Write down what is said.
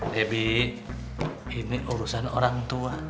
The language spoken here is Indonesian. debbie ini urusan orang tua